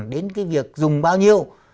đến cái việc dùng bao nhiêu